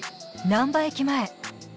難波駅前。